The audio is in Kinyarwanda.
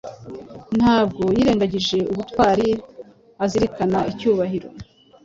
Ntabwo yirengagije ubutwari azirikana icyubahiro